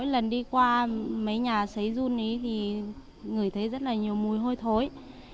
lần đi qua mấy nhà chế dùng đất thì người thấy rất nhiều mùi hôi thối